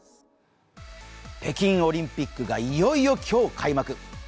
北京オリンピックがいよいよ今日、開幕。